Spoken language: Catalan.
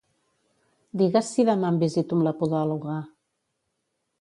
Digues si demà em visito amb la podòloga.